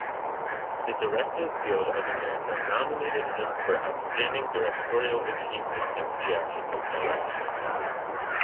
The Directors Guild of America nominated him for Outstanding Directorial Achievement in Theatrical Direction.